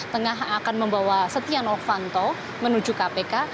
tengah akan membawa setia novanto menuju kpk